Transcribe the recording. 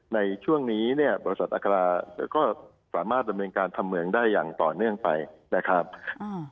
ในช่วงนี้เนี่ยบริษัทอัคราก็สามารถดำเนินการทำเมืองได้อย่างต่อเนื่องไปนะครับอืม